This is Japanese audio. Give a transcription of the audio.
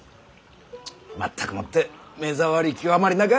全くもって目障り極まりなか！